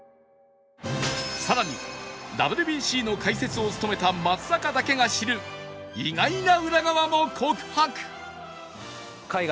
さらに ＷＢＣ の解説を務めた松坂だけが知る意外な裏側も告白